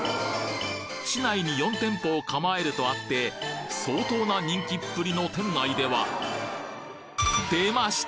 市内に４店舗を構えるとあって相当な人気っぷりの店内では出ました！